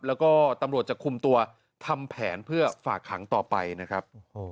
แล้วก็ตำรวจจะคุมตัวทำแผนเพื่อฝากขังต่อไปนะครับ